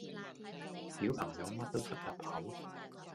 小朋友乜都塞入口